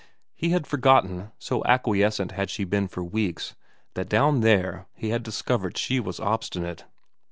He had forgotten, so acquiescent had she been for weeks, that down there he had discovered she was obstinate.